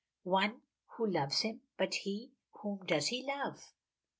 One who loves him. But he whom does he love?